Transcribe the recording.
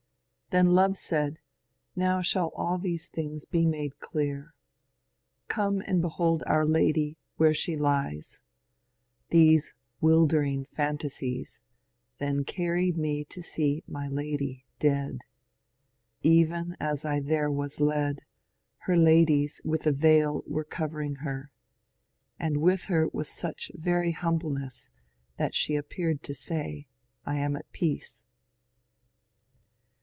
Then Love said, Now shall all these things be made clear: Come and behold our lady where she lies." These 'wildering phantasies Then carried me to see my lady dead. Even as I there was led. Her ladies with a veil were covering her; And with her was such very humbleness That she appeared to say, I am at peace."